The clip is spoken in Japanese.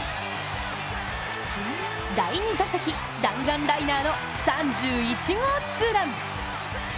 第２打席、弾丸ライナーの３１号ツーラン。